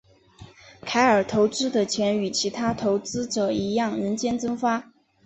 凯尔投资的钱与其他投资者一样人间蒸发。